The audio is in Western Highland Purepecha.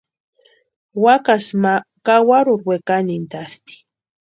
Wakasï ma kawarurhu wekanhintʼasti.